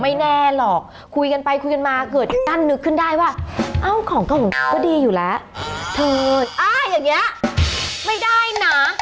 ไม่แน่หรอกคุยกันไปคุยกันมาเกิดกั้นนึกขึ้นได้ว่าเอ้าของเก่าของเขาก็ดีอยู่แล้วเถิดอ้าอย่างนี้ไม่ได้นะ